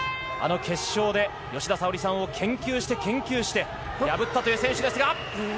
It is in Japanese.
決勝で吉田沙保里さんを研究して破ったという選手です。